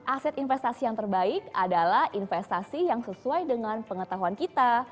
aset investasi yang terbaik adalah investasi yang sesuai dengan pengetahuan kita